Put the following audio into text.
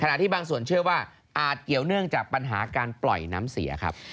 ที่บางส่วนเชื่อว่าอาจเกี่ยวเนื่องจากปัญหาการปล่อยน้ำเสียครับ